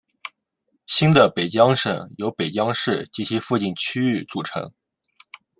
新的北江省由北江市及其附近区域组成。